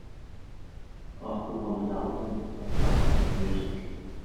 Arthur won an album of bagpipe music.